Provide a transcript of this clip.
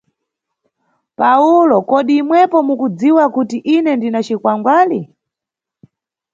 Pawulo Kodi imwepo mukudziwa kuti ine ndina cikwangwali?